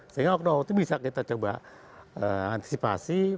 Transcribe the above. sehingga waktu waktu bisa kita coba antisipasi